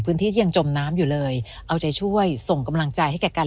ที่ยังจมน้ำอยู่เลยเอาใจช่วยส่งกำลังใจให้แก่กัน